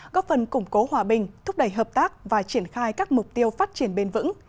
góp phần củng cố hòa bình thúc đẩy hợp tác và triển khai các mục tiêu phát triển bền vững